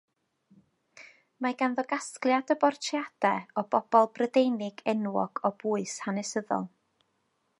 Mae ganddo gasgliad o bortreadau o bobl Brydeinig enwog o bwys hanesyddol.